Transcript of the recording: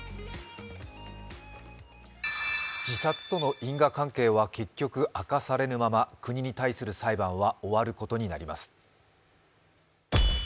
自殺との因果関係は結局、明かされぬまま国に対する裁判は終わることになります。